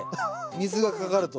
水がかかると。